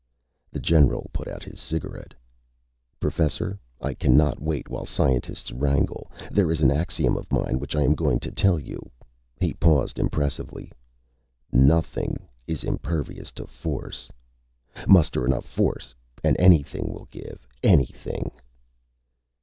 The general put out his cigarette. "Professor, I cannot wait while scientists wrangle. There is an axiom of mine which I am going to tell you." He paused impressively. "Nothing is impervious to force. Muster enough force and anything will give. _Anything.